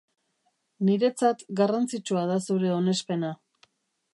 Niretzat garrantzitsua da zure onespena.